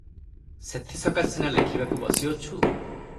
ସେଥିସକାଶେ ସିନା ଲେଖିବାକୁ ବସିଅଛୁ ।